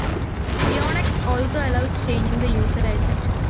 Beonex also allows changing the user agent.